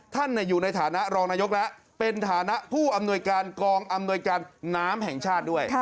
ท่านอยู่ในฐานะรองนายกแล้วเป็นฐานะผู้อำนวยการกองอำนวยการน้ำแห่งชาติด้วย